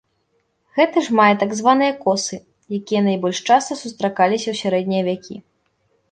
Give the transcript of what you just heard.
Гэты ж мае так званыя косы, якія найбольш часта сустракаліся ў сярэднія вякі.